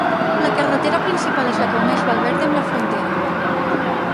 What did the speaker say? La carretera principal és la que uneix Valverde amb La Frontera.